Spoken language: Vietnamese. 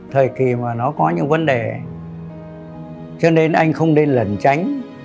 thời kỳ mà nó có những vấn đề cho nên anh không nên lẩn tránh